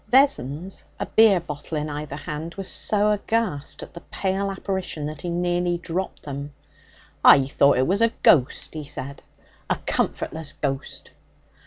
Vessons, a beer bottle in either hand, was so aghast at the pale apparition that he nearly dropped them. 'I thought it was a ghost,' he said 'a comfortless ghost.'